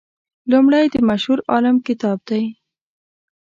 لومړی د مشهور عالم کتاب دی.